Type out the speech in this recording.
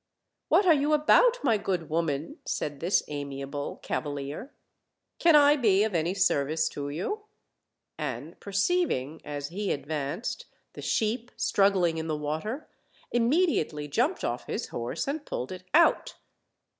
"What are you about, my good woman?" said this amiable cava lier; "can I be of any service to you?" and perceiving, as he advanced, the sheep struggling in the water, im mediately jumped off his horse and pulled it out.